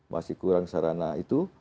masih kurang sarana itu